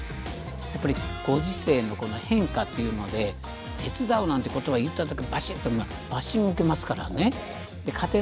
やっぱりご時世のこの変化というので「手伝う」なんて言葉を言っただけでバシッとバッシングを受けますからね。